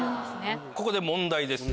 ここで問題です。